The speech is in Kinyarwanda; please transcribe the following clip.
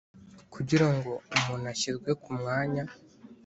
Kugira ngo umuntu ashyirwe ku mwanya